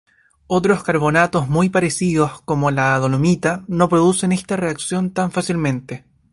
Otros carbonatos muy parecidos, como la dolomita, no producen esta reacción tan fácilmente.